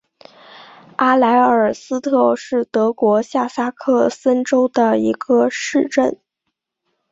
阿莱尔斯特是德国下萨克森州的一个市镇。